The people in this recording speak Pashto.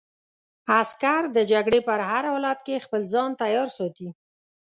عسکر د جګړې په هر حالت کې خپل ځان تیار ساتي.